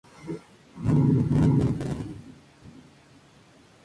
Más tarde ella trabajó como reportero en el periódico "Juventud de Azerbaiyán".